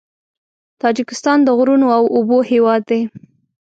تاجکستان د غرونو او اوبو هېواد دی.